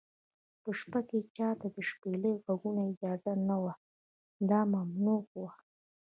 په شپه کې چا ته د شپېلۍ غږولو اجازه نه وه، دا ممنوع و.